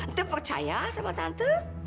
ntuh percaya sama tante